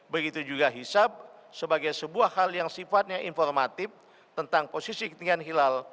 begitu juga hisab sebagai sebuah hal yang sifatnya informatif tentang posisi ketinggian hilal